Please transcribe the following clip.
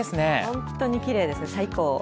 本当に奇麗ですね、最高。